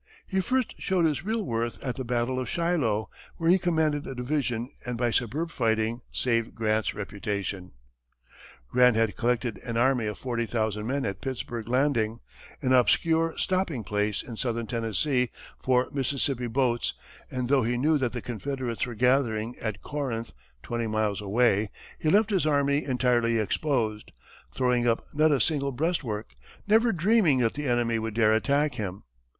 He first showed his real worth at the battle of Shiloh, where he commanded a division and by superb fighting, saved Grant's reputation. Grant had collected an army of forty thousand men at Pittsburg Landing, an obscure stopping place in southern Tennessee for Mississippi boats, and though he knew that the Confederates were gathering at Corinth, twenty miles away, he left his army entirely exposed, throwing up not a single breastwork, never dreaming that the enemy would dare attack him.